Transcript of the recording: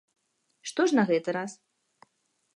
Што ж на гэты раз?